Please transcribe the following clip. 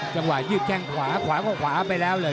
จังหวะยืดแข้งขวาขวาก็ขวาไปแล้วเลย